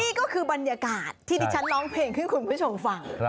นี่ก็คือบรรยากาศที่ดิฉันร้องเพลงให้คุณผู้ชมฟัง